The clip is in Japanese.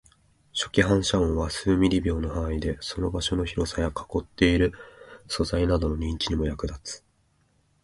初期反射音は数ミリ秒の範囲で、その場所の広さや囲っている素材などの認知にも役立つ